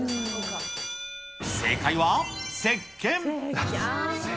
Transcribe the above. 正解はせっけん。